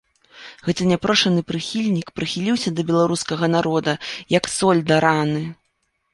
Гэты няпрошаны прыхільнік прыхіліўся да беларускага народа як соль да раны.